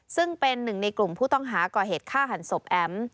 ซึ่งเป็นหนึ่งในกลุ่มผู้ต้องหาก่อเหตุฆ่าหันศพแอ๋ม